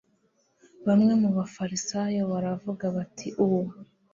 bamwe mu bafarisayo baravuga bati uwo